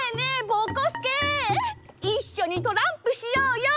ぼこすけいっしょにトランプしようよ。